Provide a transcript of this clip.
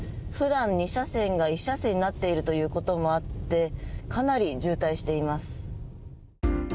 普段、２車線が１車線になっているということもあってかなり渋滞しています。